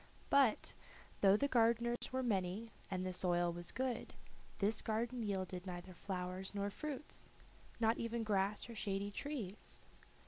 But, though the gardeners were many and the soil was good, this garden yielded neither flowers nor fruits, not even grass or shady trees.